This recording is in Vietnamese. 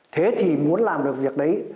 thế thì muốn làm được việc đấy